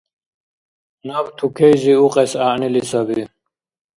Наб тукейзи укьес гӀягӀнили саби.